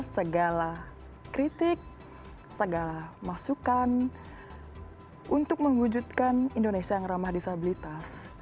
segala kritik segala masukan untuk mewujudkan indonesia yang ramah disabilitas